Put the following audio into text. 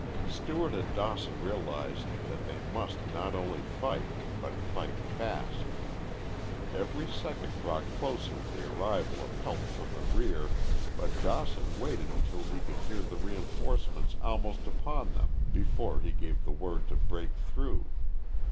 Stewart and Dawson realized that they must not only fight, but fight fast. Every second brought closer the arrival of help from the rear, but Dawson waited until he could hear the reinforcements almost upon them before he gave the word to break through.